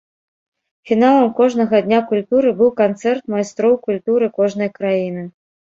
Фіналам кожнага дня культуры быў канцэрт майстроў культуры кожнай краіны.